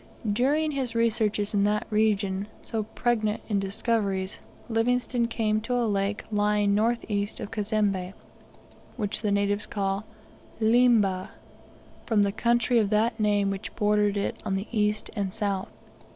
During his researches in that region, so pregnant in discoveries, Livingstone came to a lake lying north east of Cazembe, which the natives call Liemba, from the country of that name which bordered it on the east and south.